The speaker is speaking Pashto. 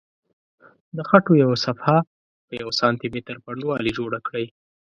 د خټو یوه صفحه په یوه سانتي متر پنډوالي جوړه کړئ.